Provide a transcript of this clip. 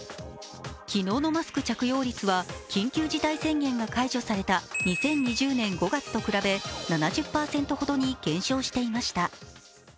昨日のマスク着用率は緊急事態宣言が解除された２０２０年５月と比べ、７０％ほどに減少していました。